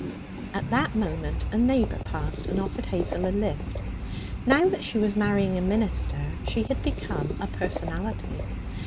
At that moment a neighbour passed and offered Hazel a lift. Now that she was marrying a minister, she had become a personality.